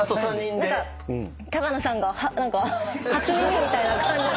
高野さんが初耳みたいな感じ。